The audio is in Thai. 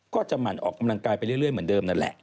หมั่นออกกำลังกายไปเรื่อยเหมือนเดิมนั่นแหละ